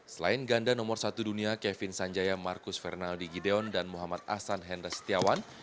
selain ganda nomor satu dunia kevin sanjaya marcus fernaldi gideon dan muhammad ahsan hendra setiawan